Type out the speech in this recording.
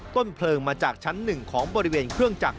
ต้นเพลิงมาจากชั้น๑ของบริเวณเครื่องจักร